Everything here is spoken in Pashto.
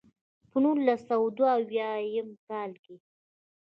پۀ نولس سوه دوه اويا يم کال کښې